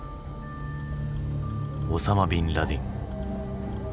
オサマ・ビン・ラディン。